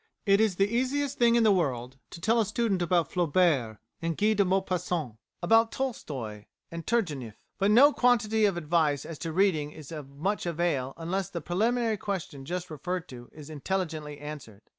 It is the easiest thing in the world to tell a student about Flaubert and Guy de Maupassant, about Tolstoi and Turgenieff, but no quantity of advice as to reading is of much avail unless the preliminary question just referred to is intelligently answered.